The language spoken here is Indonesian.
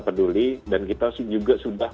peduli dan kita juga sudah